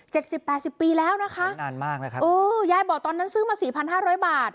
สิบแปดสิบปีแล้วนะคะนานมากนะครับโอ้ยายบอกตอนนั้นซื้อมาสี่พันห้าร้อยบาท